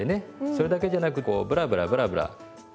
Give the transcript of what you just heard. それだけじゃなくこうブラブラブラブラ。